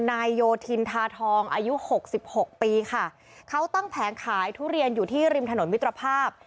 นายโยธินทาทองอายุหกสิบหกปีค่ะเขาตั้งแผงขายทุเรียนอยู่ที่ริมถนนมิตรภาพ